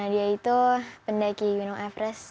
dia itu pendaki gunung everest